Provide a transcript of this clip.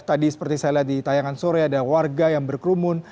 tadi seperti saya lihat di tayangan sore ada warga yang berkerumun